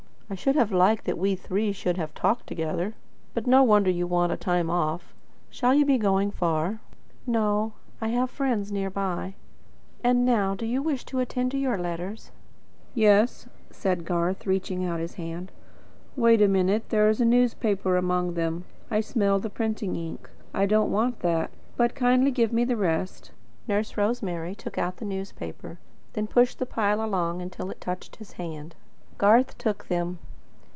"I should have liked that we three should have talked together. But no wonder you want a time off. Shall you be going far?" "No; I have friends near by. And now, do you wish to attend to your letters?" "Yes," said Garth, reaching out his hand. "Wait a minute. There is a newspaper among them. I smell the printing ink. I don't want that. But kindly give me the rest." Nurse Rosemary took out the newspaper; then pushed the pile along, until it touched his hand. Garth took them.